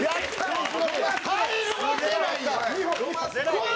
入るわけないやん！